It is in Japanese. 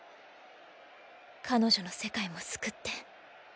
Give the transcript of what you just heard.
彼女の世界も救って